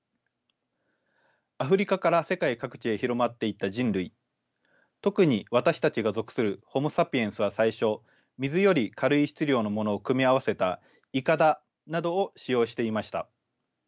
アフリカから世界各地へ広まっていった人類特に私たちが属するホモ・サピエンスは最初水より軽い質量のものを組み合わせたイカダなどを使用していました。